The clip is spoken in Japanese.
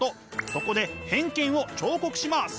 そこで偏見を彫刻します！